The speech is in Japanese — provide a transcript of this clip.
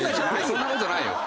そんな事ないよ。